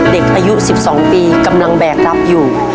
เด็กอายุ๑๒ปีกำลังแบกรับอยู่